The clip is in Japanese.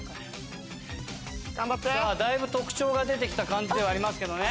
さぁだいぶ特徴が出てきた感じではありますけどね。